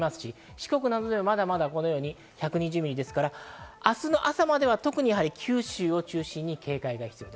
四国ではまだまだ１２０ミリですから、明日の朝までは九州を中心に警戒が必要。